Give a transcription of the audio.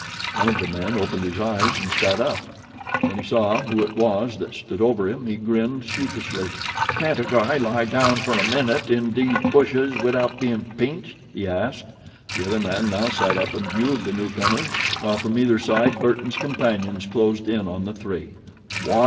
One of the men opened his eyes and sat up. When he saw who it was that stood over him he grinned sheepishly. "Can't a guy lie down fer a minute in de bushes widout bein' pinched?" he asked. The other man now sat up and viewed the newcomer, while from either side Burton's companions closed in on the three.